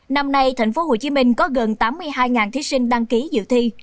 năm nay tp hcm có gần tám mươi hai thí sinh đăng ký dự thi